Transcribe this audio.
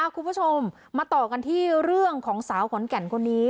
คุณผู้ชมมาต่อกันที่เรื่องของสาวขอนแก่นคนนี้